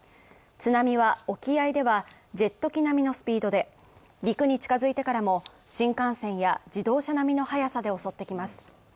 津波は沖合ではジェット機並みのスピードで陸に近づいてからも新幹線や自動車並みの速さで襲ってきます。